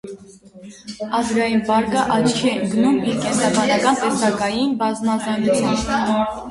Ազգային պարկը աչքի է ընկնում իր կենսաբանական տեսակային բազմազանությամբ։